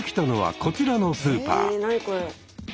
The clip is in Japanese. これ。